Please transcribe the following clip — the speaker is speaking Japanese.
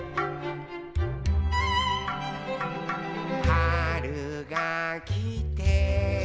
「はるがきて」